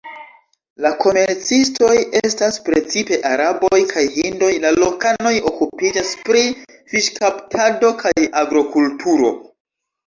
La komercistoj estas precipe araboj kaj hindoj; la lokanoj okupiĝas pri fiŝkaptado kaj agrokulturo.